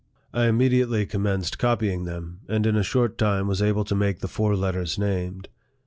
I immediately commenced copy ing them, and in a short time was able to make the four letters named.